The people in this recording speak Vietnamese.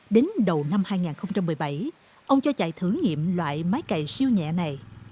đến đầu năm hai nghìn một mươi bảy ông cho chạy thử nghiệm loại máy cày siêu nhẹ này